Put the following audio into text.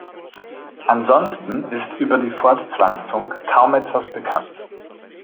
Ansonsten ist über die Fortpflanzung kaum etwas bekannt.